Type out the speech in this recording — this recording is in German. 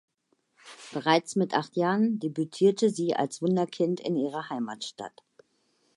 Bereits mit acht Jahren debütierte sie als Wunderkind in ihrer Heimatstadt.